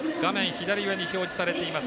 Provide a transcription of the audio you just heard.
左上に表示されています